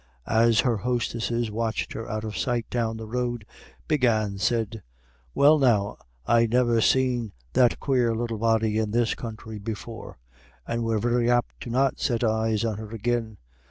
As her hostesses watched her out of sight down the road, Big Anne said "Well, now, I never seen that quare little body in this counthry before, and we're very apt to not set eyes on her agin.